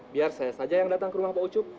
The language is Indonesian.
biar saya saja yang datang ke rumah pak ucup